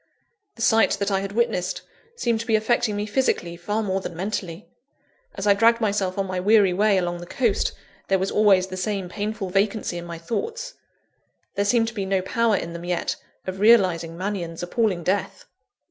The sight that I had witnessed, seemed to be affecting me physically, far more than mentally. As I dragged myself on my weary way along the coast, there was always the same painful vacancy in my thoughts: there seemed to be no power in them yet, of realising Mannion's appalling death.